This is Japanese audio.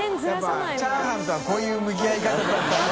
笋辰チャーハンとはこういう向き合い方だよね。